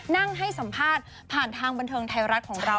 นั่งให้สัมภาษณ์ผ่านทางบันเทิงไทยรัฐของเรา